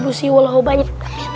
tentang llamado banyak